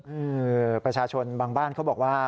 อืมประชาชนบางบ้านเขาบอกว่า